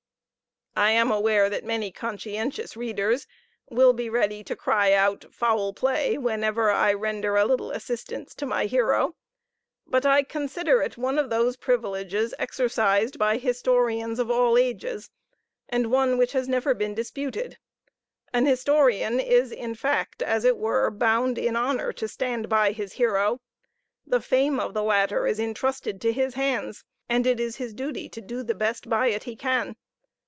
I am aware that many conscientious readers will be ready to cry out, "foul play!" whenever I render a little assistance to my hero; but I consider it one of those privileges exercised by historians of all ages, and one which has never been disputed. An historian is in fact, as it were, bound in honor to stand by his hero the fame of the latter is intrusted to his hands, and it is his duty to do the best by it he can.